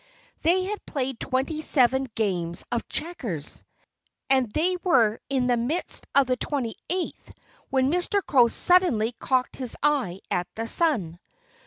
They had played twenty seven games of checkers. And they were in the midst of the twenty eighth when Mr. Crow suddenly cocked his eye at the sun.